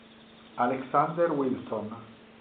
Alexander Wilson